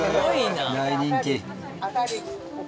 大人気。